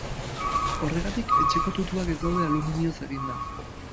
Horregatik, etxeko tutuak ez daude aluminioz eginda.